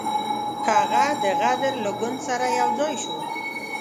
هغه د غدر له ګوند سره یو ځای شو.